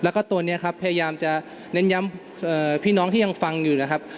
และก็ตัวนี้ครับปฏิงัติพี่น้องจะพนักรีจแน้นย้ำพี่ที่ยังฟังอยู่นะครับ